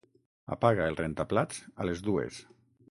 Apaga el rentaplats a les dues.